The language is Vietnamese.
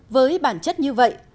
với bản chất như vậy